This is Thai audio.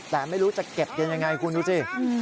แต่ไม่รู้จะเก็บกันยังไงคุณดูสิ